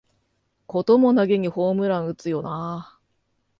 こともなげにホームラン打つよなあ